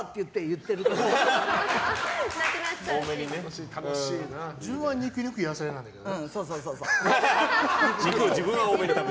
って自分は肉、肉、野菜なんだけど。